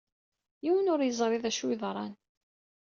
Yiwen ur yeẓri d accu yeḍran.